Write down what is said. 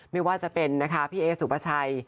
ไม่ว่าจะเป็นนะคะพี่เอสุปชัย